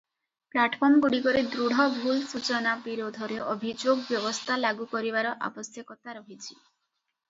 ପ୍ଲାଟଫର୍ମଗୁଡ଼ିକରେ ଦୃଢ଼ ଭୁଲ ସୂଚନା ବିରୋଧରେ ଅଭିଯୋଗ ବ୍ୟବସ୍ଥା ଲାଗୁ କରିବାର ଆବଶ୍ୟକତା ରହିଛି ।